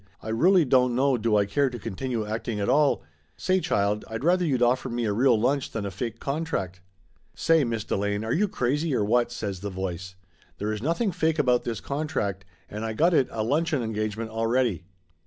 "I rully don't know do I care to continue acting at all ! Say, child, I'd rather you'd offer me a real lunch than a fake contract !" "Say, Miss Delane, are you crazy, or what?" says the voice. "There is nothing fake about this contract and I got it a luncheon engagement already."